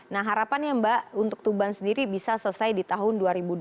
nah harapannya mbak untuk tuban sendiri bisa selesai di tahun dua ribu dua puluh